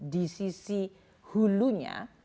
di sisi hulunya